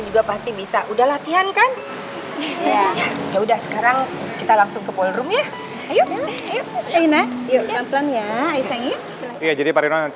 juga pasti bisa udah latihan kan ya udah sekarang kita langsung